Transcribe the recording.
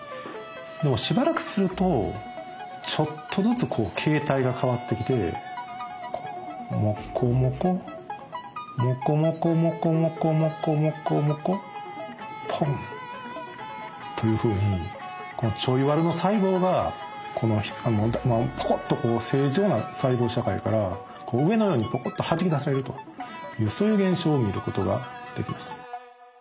でもしばらくするとちょっとずつ形態が変わってきてモコモコモコモコモコモコモコモコモコポンというふうにこのちょいワルの細胞がポコッとこう正常な細胞社会から上のようにポコッとはじき出されるというそういう現象を見ることができました。